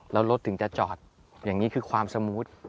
แล้วรถถึงจะจอดอย่างนี้คือความสมูท